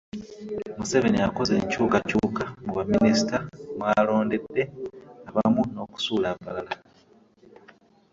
Museveni akoze enkyukakyuka mu baminisita mw'alondedde abamu n'okusuula abalala